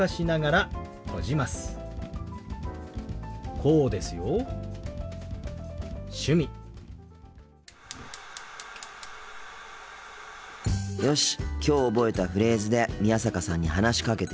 心の声よしきょう覚えたフレーズで宮坂さんに話しかけてみよう。